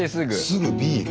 すぐビール。